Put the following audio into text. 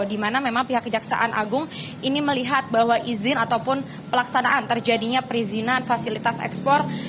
di mana memang pihak kejaksaan agung ini melihat bahwa izin ataupun pelaksanaan terjadinya perizinan fasilitas ekspor